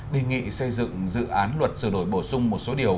đề nghị xây dựng dự án luật sửa đổi bổ sung một số điều